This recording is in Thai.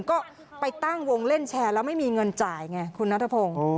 ก็ไปตั้งวงเล่นแชร์แล้วไม่มีเงินจ่ายไงคุณนัทพงศ์